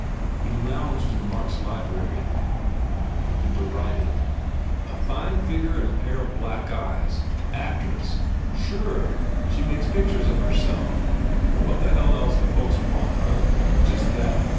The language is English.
He lounged in Mark s library and derided: "A fine figger and a pair of black eyes. Actress? Sure. She makes pictures of herself. And what the hell else do folks want, huh? Just that.